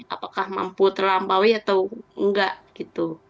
apakah mampu terlampaui atau enggak gitu